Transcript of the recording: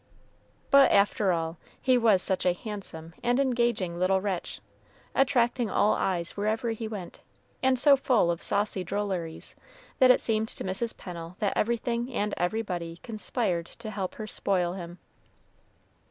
But, after all, he was such a handsome and engaging little wretch, attracting all eyes wherever he went, and so full of saucy drolleries, that it seemed to Mrs. Pennel that everything and everybody conspired to help her spoil him.